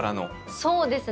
そうですね。